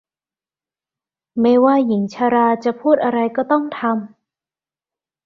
ไม่ว่าหญิงชราจะพูดอะไรก็ต้องทำ